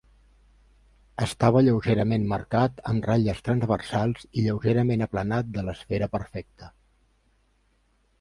Estava lleugerament marcat amb ratlles transversals i lleugerament aplanat de l'esfera perfecta.